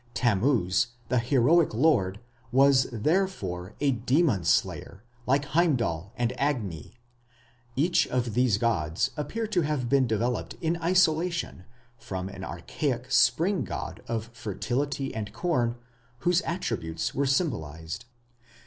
Tammuz, "the heroic lord", was therefore a demon slayer like Heimdal and Agni. Each of these gods appear to have been developed in isolation from an archaic spring god of fertility and corn whose attributes were symbolized.